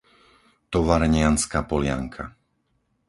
Tovarnianska Polianka